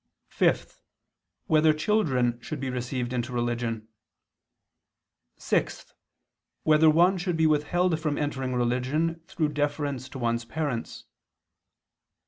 (5) Whether children should be received into religion? (6) Whether one should be withheld from entering religion through deference to one's parents?